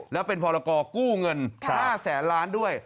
แล้วเป็นพรกรกู้เงิน๕แสนล้านด้วย